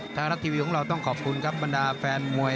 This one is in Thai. รัฐทีวีของเราต้องขอบคุณครับบรรดาแฟนมวย